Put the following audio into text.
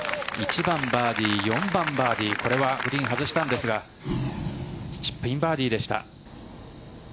１番、バーディー４番、バーディーこれはグリーン外したんですがチップインバーディーでした。